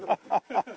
ハハハハ！